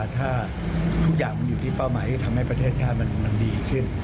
ถ้าทุกอย่างมันอยู่ที่เป้าหมายที่ทำให้ประเทศชาติมันดีขึ้น